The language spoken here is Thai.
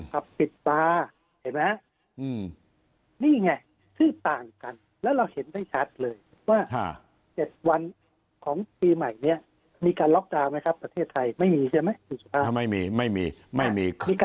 กลางมีมีการกลับลบกลับปิดตานี่ไงซื่อต่างกันแล้วเราเข็นได้ชัดเลยว่าว่าจะวันของปีใหม่เนี่ยมีการล็อคดาร์ไหมครับประเทศไทยไม่มีใช่ไหมไม่มีไม่มีไม่มี